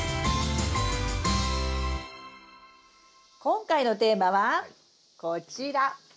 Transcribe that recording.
今回のテーマはこちら。